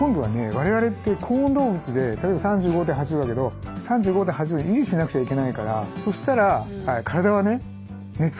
我々って恒温動物で例えば３５．８度だけど３５．８度を維持しなくちゃいけないからそしたら体はね熱をどんどん作るんですよ。